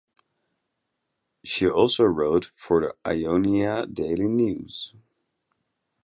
She also wrote for the Ionia Daily News.